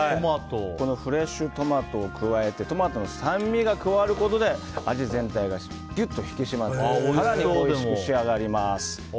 フレッシュトマトを加えてトマトの酸味が加わることで味全体がギュッと引き締まって更に、おいしく仕上がります。